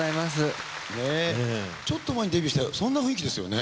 ちょっと前にデビューしたそんな雰囲気ですよね？